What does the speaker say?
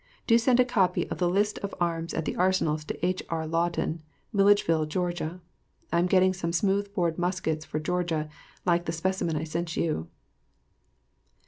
Do send a copy of the list of arms at the arsenals to H.R. Lawton, Milledgeville, Ga. I am getting some smooth bored muskets for Georgia, like the specimen I sent you.